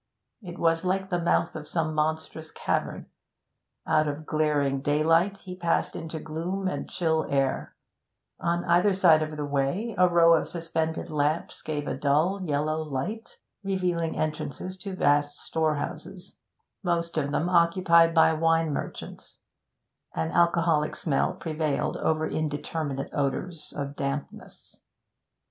It was like the mouth of some monstrous cavern. Out of glaring daylight he passed into gloom and chill air; on either side of the way a row of suspended lamps gave a dull, yellow light, revealing entrances to vast storehouses, most of them occupied by wine merchants; an alcoholic smell prevailed over indeterminate odours of dampness.